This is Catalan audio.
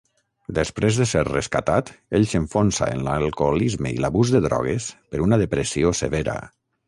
Després de ser rescatat, ell s'enfonsa en l'alcoholisme i l'abús de drogues per una depressió severa.